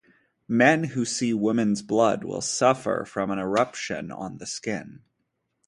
Men who see women's blood will suffer from an eruption on the skin.